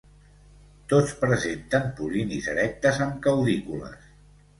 Totes presenten pol·linis erectes amb caudícules.